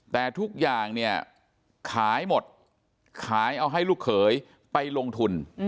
แต่ทุกอย่างเนี่ยขายหมดขายเอาให้ลูกเขยไปลงทุน